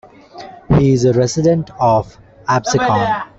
He is a resident of Absecon.